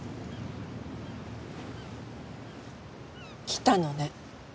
来たのね。